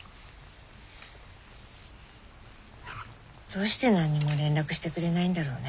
どうして何にも連絡してくれないんだろうね。